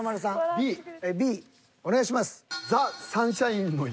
Ｂお願いします。